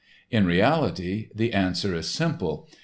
] In reality, the answer is simple.